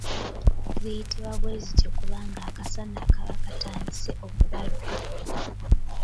Ziyitibwa bwe zityo, kubanga akasana kaba katandise okubaaluuka.